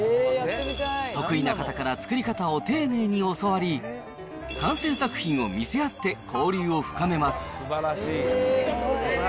得意な方から作り方を丁寧に教わり、完成作品を見せ合って交流を深めます。